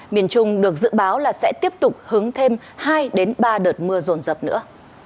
miền trung được dự báo là sẽ tiếp tục hướng thêm hai ba đợt mưa rồn rập nữa